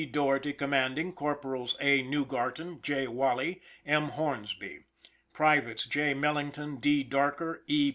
P. Doherty commanding: Corporals A. Neugarten, J. Waly, M. Hornsby: Privates J. Mellington, D. Darker, E.